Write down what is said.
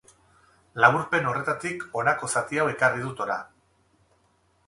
Laburpen horretatik honako zati hau ekarri dut hona.